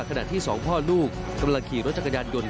ขณะที่สองพ่อลูกกำลังขี่รถจักรยานยนต์